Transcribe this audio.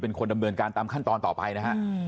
เป็นคนดำเนินการตามขั้นตอนต่อไปนะฮะ